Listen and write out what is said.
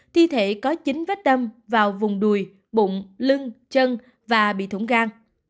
thi thể có chín vết tâm vào vùng đùi bụng lưng chân và bị thủng gan